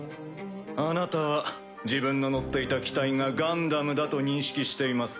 あなたは自分の乗っていた機体がガンダムだと認識していますか？